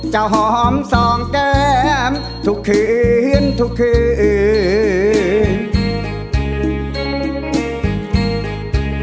จะหอมสองแก้มทุกคืนทุกคืน